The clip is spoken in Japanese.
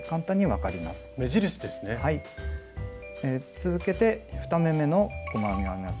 続けて２目めの細編みを編みます。